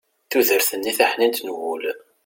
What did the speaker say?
tudert-nni taḥnint n wul